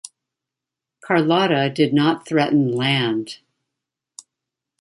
Carlotta did not threaten land.